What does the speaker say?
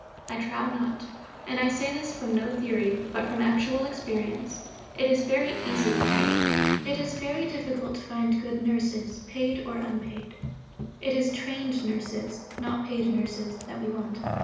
I trow not; and I say this from no theory, but from actual experience. It is very easy to pay. It is very difficult to find good Nurses, paid or unpaid. It is trained Nurses, not paid nurses, that we want.